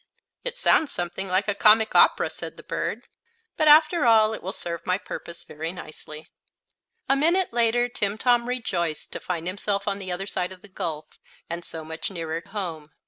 "It sounds something like a comic opera," said the bird, "but, after all, it will serve my purpose very nicely." A minute later Timtom rejoiced to find himself on the other side of the gulf, and so much nearer home.